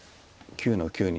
９の九に。